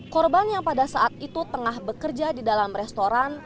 korban yang pada saat itu tengah bekerja di dalam restoran